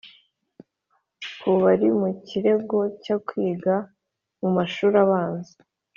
ku bari mu kigero cyo kwiga mu mashuri abanza